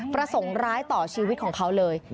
ประสงค์ร้ายต่อชีวิตของเขาเลย